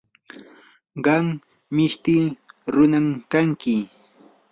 qam mishti runam kanki.